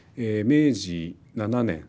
明治７年。